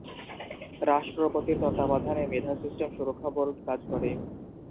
রাষ্ট্রপতির তত্ত্বাবধানে মেধা সিস্টেম সুরক্ষা বোর্ড কাজ করে।